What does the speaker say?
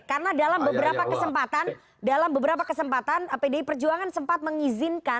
karena dalam beberapa kesempatan dalam beberapa kesempatan pdi perjuangan sempat mengizinkan